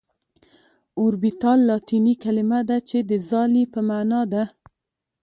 اوربيتال لاتيني کليمه ده چي د ځالي په معنا ده .